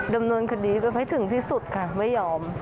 ดำเนินคดีให้ถึงที่สุดค่ะไม่ยอม